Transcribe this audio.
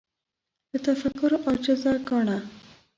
له تفکر عاجز ګاڼه